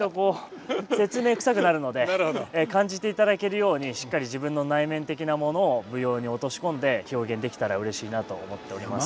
感じていただけるようにしっかり自分の内面的なものを舞踊に落とし込んで表現できたらうれしいなと思っております。